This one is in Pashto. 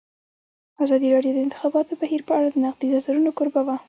ازادي راډیو د د انتخاباتو بهیر په اړه د نقدي نظرونو کوربه وه.